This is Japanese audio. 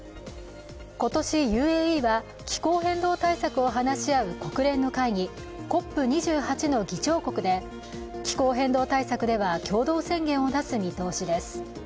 今年、ＵＡＥは気候変動対策を話し合う国連の会議、ＣＯＰ２８の議長国で気候変動対策では共同宣言を出す見通しです。